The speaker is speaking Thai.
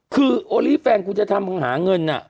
คือโอลี่แฟนกูจะทำมึงหาเงิน